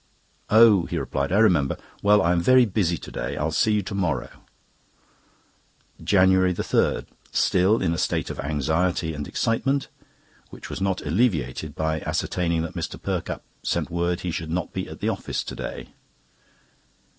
"Oh!" he replied, "I remember. Well, I am very busy to day; I will see you to morrow." JANUARY 3.—Still in a state of anxiety and excitement, which was not alleviated by ascertaining that Mr. Perkupp sent word he should not be at the office to day.